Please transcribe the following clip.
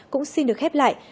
cũng xin được khép lại